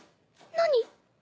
何？